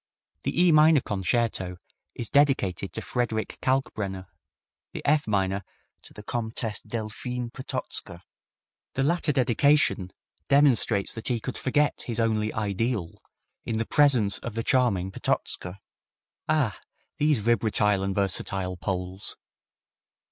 The E minor Concerto is dedicated to Frederick Kalkbrenner, the F minor to the Comtesse Deiphine Potocka. The latter dedication demonstrates that he could forget his only "ideal" in the presence of the charming Potocka! Ah! these vibratile and versatile Poles!